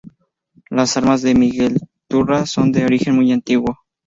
Las armas de Miguelturra son de origen muy antiguo.